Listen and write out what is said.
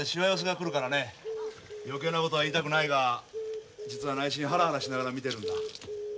余計なことは言いたくないが実は内心ハラハラしながら見てるんだ。